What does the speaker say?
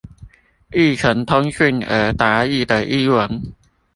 譯成通順而達意的英文